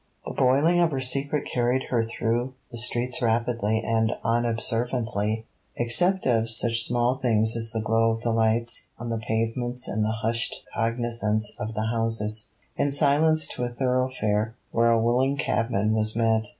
The boiling of her secret carried her through the streets rapidly and unobservantly except of such small things as the glow of the lights on the pavements and the hushed cognizance of the houses, in silence to a thoroughfare where a willing cabman was met.